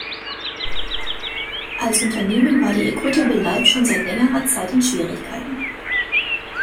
Als Unternehmen war die "Equitable Life" schon seit längerer Zeit in Schwierigkeiten.